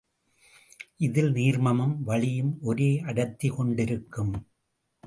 இதில் நீர்மமும் வளியும் ஒரே அடர்த்தி கொண்டிருக்கும்.